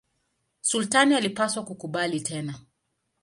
Sultani alipaswa kukubali tena.